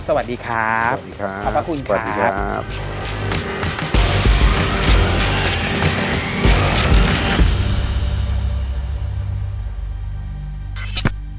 สวัสดีครับขอบคุณครับ